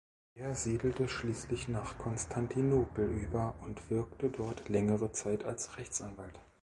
Er siedelte schließlich nach Konstantinopel über und wirkte dort längere Zeit als Rechtsanwalt.